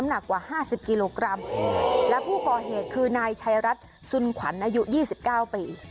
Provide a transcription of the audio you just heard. หนักกว่าห้าสิบกิโลกรัมแล้วผู้ก่อเหตุคือนายชายรัฐสุนขวัญอายุยี่สิบเก้าปี